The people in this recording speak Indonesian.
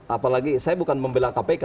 apalagi saya bukan membela kpk